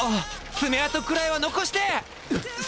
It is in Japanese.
爪痕くらいは残してえ！